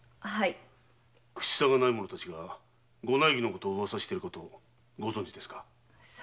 口さがない者がご内儀の噂をしていることをご存じですか？